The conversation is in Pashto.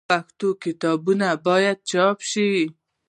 پښتو کتابونه باید چاپ سي.